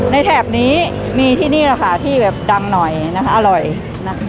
แถบนี้มีที่นี่แหละค่ะที่แบบดังหน่อยนะคะอร่อยนะคะ